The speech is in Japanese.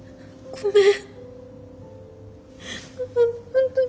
ごめん。